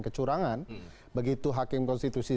kecurangan begitu hakim konstitusi